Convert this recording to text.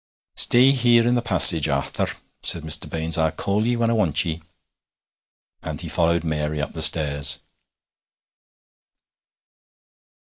'Stay here in the passage, Arthur,' said Mr. Baines; 'I'll call ye when I want ye;' and he followed Mary up the stairs.